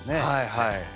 はいはい。